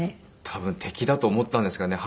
多分敵だと思ったんですかね。